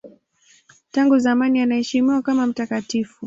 Tangu zamani anaheshimiwa kama mtakatifu.